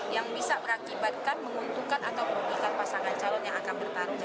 yang bisa berakibatkan menguntungkan atau memulihkan pasangan calon yang akan bertarung dalam pilkada